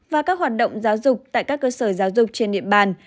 và các hoạt động giáo dục tại các cơ sở giáo dục trên địa bàn